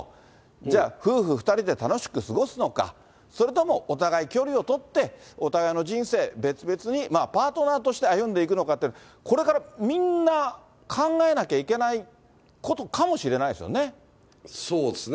じゃあ、夫婦２人で楽しく過ごすのか、それともお互い距離を取って、お互いの人生、別々に、パートナーとして歩んでいくのかって、これからみんな考えなきゃいけないことかもしれないですよね。